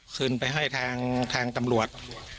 คืนไปให้ทางตำรวจ